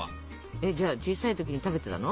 えっじゃあ小さい時に食べてたの？